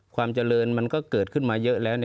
ความเจริญมันก็เกิดขึ้นมาเยอะแล้ว